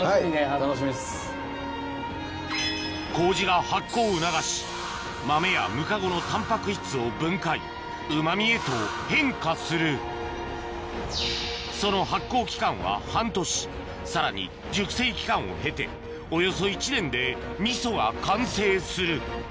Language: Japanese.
麹が発酵を促し豆やムカゴのタンパク質を分解うま味へと変化するその発酵期間は半年さらに熟成期間を経ておよそ１年で味噌が完成する